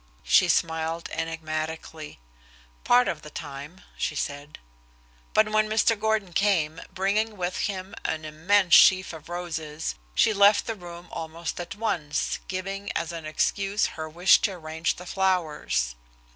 She smiled enigmatically. "Part of the time," she said. But when Mr. Gordon came, bringing with him an immense sheaf of roses, she left the room almost at once, giving as an excuse her wish to arrange the flowers.